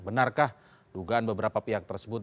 benarkah dugaan beberapa pihak tersebut